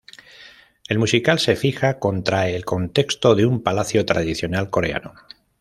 El musical se fija contra el contexto de un palacio tradicional coreano.